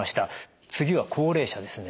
次は高齢者ですね。